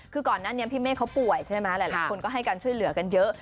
คือก่อนหน้านี้พี่เมฆเขาป่วยใช่ไหมหลายคนก็ให้การช่วยเหลือกันเยอะ